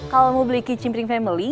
kalau mau beli kitchen ring family